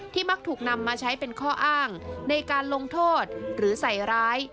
มักถูกนำมาใช้เป็นข้ออ้างในการลงโทษหรือใส่ร้าย